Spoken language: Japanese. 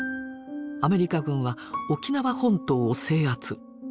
アメリカ軍は沖縄本島を制圧。